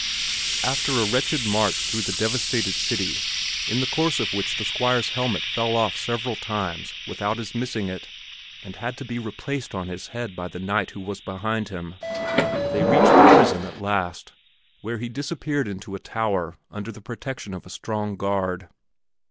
After a wretched march through the devastated city, in the course of which the Squire's helmet fell off several times without his missing it and had to be replaced on his head by the knight who was behind him, they reached the prison at last, where he disappeared into a tower under the protection of a strong guard.